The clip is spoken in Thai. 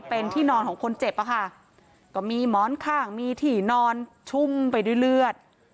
เป็นที่นอนของคนเจ็บอะค่ะก็มีหมอนข้างมีถี่นอนชุ่มไปด้วยเลือด